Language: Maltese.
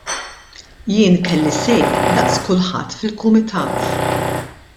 Jien kelli say daqs kulħadd fil-Kumitat.